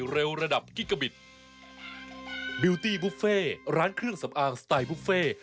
ร้านเครื่องสำอางสไตล์บุฟเฟต์